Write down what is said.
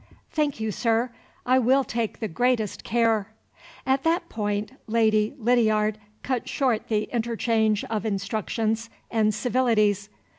"Thank you, sir. I will take the greatest care " At that point Lady Lydiard cut short the interchange of instructions and civilities.